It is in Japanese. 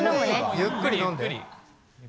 ゆっくり飲んで。